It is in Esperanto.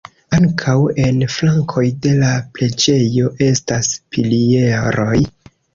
Ankaŭ en flankoj de la preĝejo estas pilieroj.